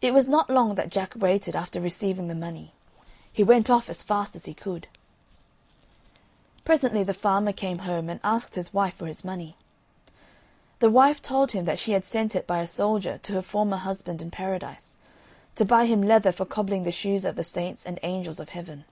It was not long that Jack waited after receiving the money; he went off as fast as he could walk. Presently the farmer came home and asked for his money. The wife told him that she had sent it by a soldier to her former husband in Paradise, to buy him leather for cobbling the shoes of the saints and angels of Heaven.